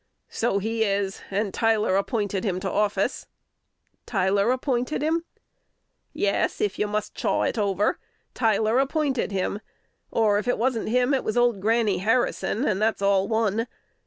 "So he is, and Tyler appointed him to office." "Tyler appointed him?" "Yes (if you must chaw it over), Tyler appointed him; or, if it wasn't him, it was old Granny Harrison, and that's all one.